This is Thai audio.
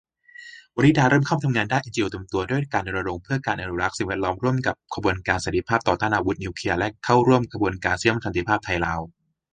วนิดาเริ่มเข้ามาทำงานด้านเอ็นจีโอเต็มตัว ด้วยการรณรงค์เพื่อการอนุรักษ์สิ่งแวดล้อมร่วมกับขบวนการสันติภาพต่อต้าน อาวุธนิวเคลียร์ และเข้าร่วมขบวนการเชื่อมสันติภาพไทยลาว